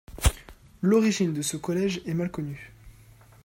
L'origine de ce collège est mal connue.